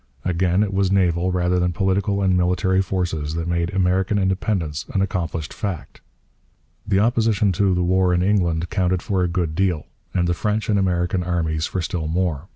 Again, it was naval rather than political and military forces that made American independence an accomplished fact. The opposition to the war in England counted for a good deal; and the French and American armies for still more.